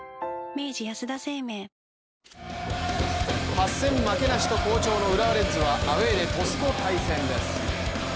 ８戦負けなしと好調の浦和レッズはアウェーで鳥栖と対戦です。